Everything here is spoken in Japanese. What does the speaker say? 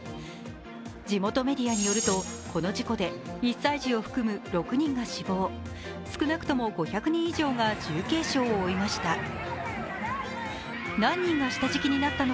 地元メディアによるとこの事故で１歳児を含む６人が死亡、少なくとも５００人以上が重軽傷を負いました。